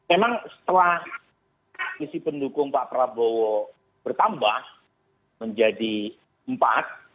emang setelah isi pendukung pak prabowo bertambah menjadi empat